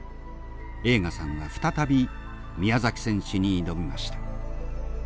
栄花さんは再び宮崎選手に挑みました。